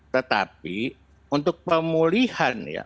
tetapi untuk pemulihan ya